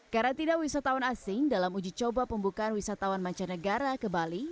karantina wisatawan asing dalam uji coba pembukaan wisatawan mancanegara ke bali